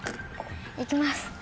いきます！